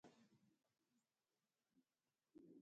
پنج سیند د کومو هیوادونو ترمنځ پوله ده؟